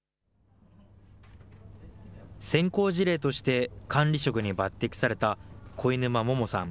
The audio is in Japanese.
先行事例として管理職に抜てきされた小井沼桃さん